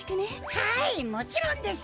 はいもちろんです。